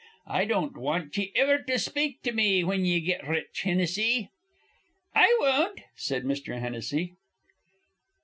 I don't want ye iver to speak to me whin ye get rich, Hinnissy." "I won't," said Mr. Hennessy.